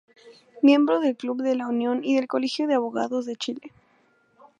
Miembro del Club de La Unión y del Colegio de Abogados de Chile.